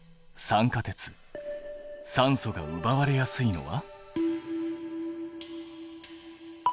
酸素がうばわれやすいのは？